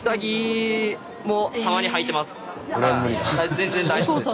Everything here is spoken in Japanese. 全然大丈夫でした。